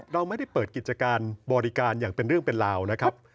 เราไม่ได้เปิดกิจการบริการอย่างเป็นเรื่องเป็นราวนะครับ